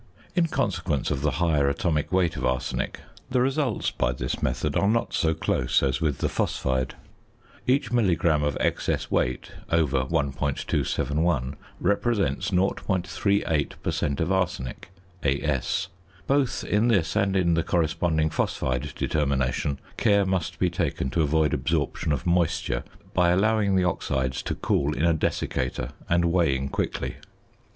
In consequence of the higher atomic weight of arsenic the results by this method are not so close as with the phosphide. Each milligram of excess weight (over 1.271) represents 0.38 per cent. of arsenic, As. Both in this and in the corresponding phosphide determination care must be taken to avoid absorption of moisture, by allowing the oxides to cool in a desiccator and weighing quickly.